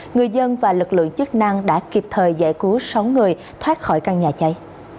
người dân và lực lượng chức năng đã kịp thời giải cứu sáu người thoát khỏi căn nhà cháy